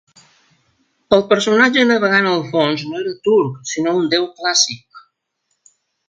El personatge navegant al fons no era turc, sinó un déu clàssic.